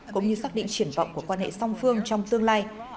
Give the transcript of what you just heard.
cũng như xác định triển vọng của quan hệ song phương trong tương lai